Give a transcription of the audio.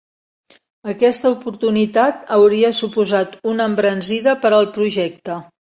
Aquesta oportunitat hauria suposat una embranzida per al projecte.